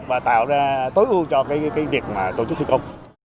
và tạo ra tối ưu cho việc tổ chức thi công